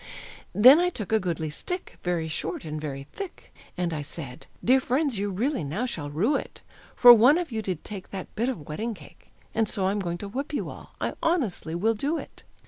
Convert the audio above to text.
Then I took a goodly stick, Very short and very thick, And I said, "Dear friends, you really now shall rue it, For one of you did take That bit of wedding cake, And so I'm going to whip you all. I honestly will do it."